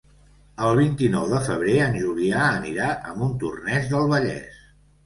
El vint-i-nou de febrer en Julià anirà a Montornès del Vallès.